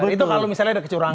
itu kalau misalnya ada kecurangan